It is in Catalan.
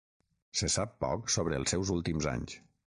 Se sap poc sobre els seus últims anys.